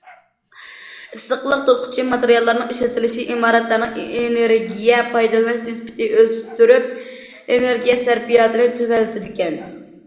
ئىسسىقلىق توسقۇچى ماتېرىياللارنىڭ ئىشلىتىلىشى ئىمارەتلەرنىڭ ئېنېرگىيە پايدىلىنىش نىسبىتىنى ئۆستۈرۈپ، ئېنېرگىيە سەرپىياتىنى تۆۋەنلىتىدىكەن.